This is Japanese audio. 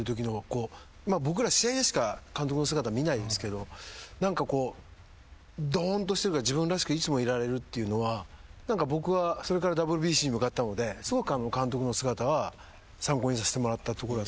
まあ僕ら試合でしか監督の姿見ないんですけど何かドーンとしてる自分らしくいつもいられるっていうのは僕はそれからＷＢＣに向かったのですごく監督の姿は参考にさせてもらった。